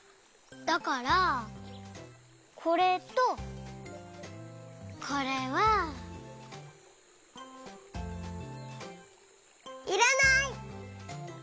だからこれとこれは。いらない！